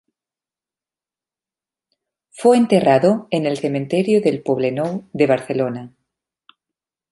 Fue enterrado en el cementerio del Poblenou de Barcelona.